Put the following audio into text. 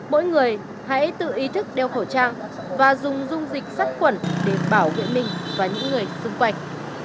mỗi người hãy tự ý thức đeo khẩu trang và dùng dung dịch sát khuẩn để bảo vệ mình và những người xung quanh